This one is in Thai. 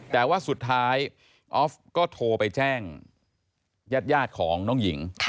แต่ว่าสุดท้ายออฟก็โทรไปแจ้งญาติของน้องหญิง